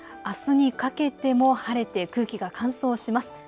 あすにかけても晴れて空気が乾燥します。